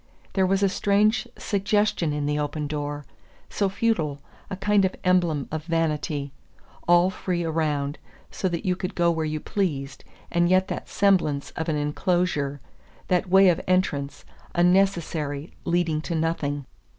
There was a strange suggestion in the open door, so futile, a kind of emblem of vanity: all free around, so that you could go where you pleased, and yet that semblance of an enclosure, that way of entrance, unnecessary, leading to nothing.